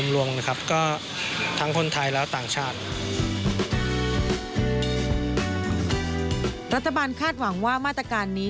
รัฐบาลคาดหวังว่ามาตรการนี้